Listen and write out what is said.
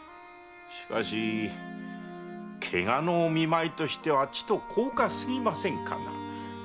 しかしケガの見舞いとしてはちと高価過ぎませんかな？